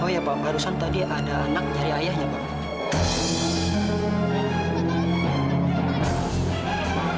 oh ya pak barusan tadi ada anak dari ayahnya pak